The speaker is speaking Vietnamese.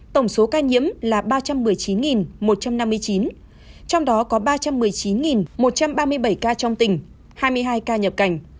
tổng số ca nhiễm là ba trăm một mươi chín một trăm năm mươi chín trong đó có ba trăm một mươi chín một trăm ba mươi bảy ca trong tỉnh hai mươi hai ca nhập cảnh